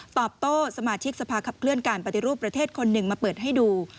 ตอบโต้สมาชิกสภาขับเคลื่อนการปฏิรูปประเทศคนหนึ่งมาเปิดให้ดู